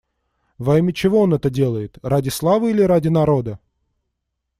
Во имя чего он это делает: ради славы или ради народа?